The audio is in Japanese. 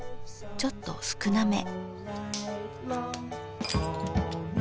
ちょっと少なめ。